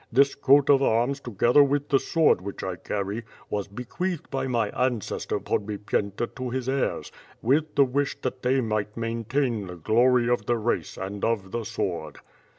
This coat of arms together with the sword which I carry, was bc queatlied by my ancestor Podbipyenta to his heirs, with the wish that they might maintain the glory of the race and of the sword."